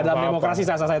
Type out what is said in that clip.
dalam demokrasi sasar saya